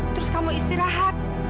terus kamu istirahat